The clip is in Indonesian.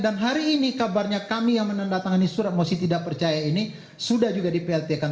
dan hari ini kabarnya kami yang menandatangani surat mosi tidak percaya ini sudah juga dipelitikan